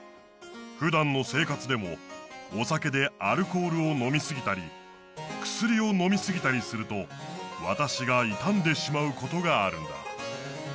ふだんのせいかつでもおさけでアルコールをのみすぎたりくすりをのみすぎたりするとわたしがいたんでしまうことがあるんだ。